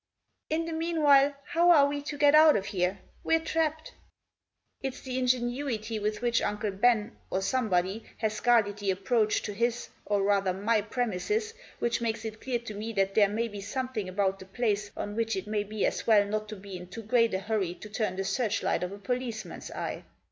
" In the meanwhile, how are we to get out of here ? We're trapped." " It's the ingenuity with which Uncle Ben, or some body, has guarded the approach to his, or, rather, my, premises which makes it clear to me that there may be something about the place on which it may be as well not to be in too great a hurry to turn the search light of a policeman's eye.